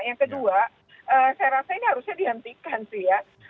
yang kedua saya rasa ini harusnya dihentikan sih ya